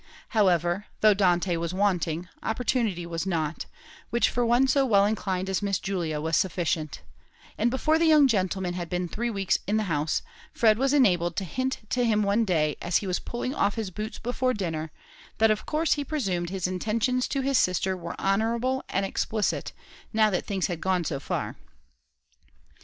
However, though Dante was wanting, opportunity was not, which for one so well inclined as Miss Julia was sufficient; and before the young gentleman had been three weeks in the house, Fred was enabled to hint to him one day, as he was pulling off his boots before dinner, that of course he presumed his intentions to his sister were honourable and explicit, now that things had gone so far.